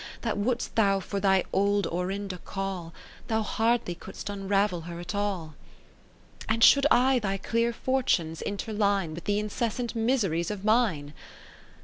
That wouldst thou for thy old Orinda call, Thou hardly couldst unravel her at all. Katherine Philips And should I thy clear fortunes interline AVith the incessant miseries of mine